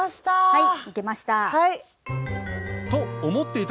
はい。